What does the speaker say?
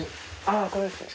ああこれですね。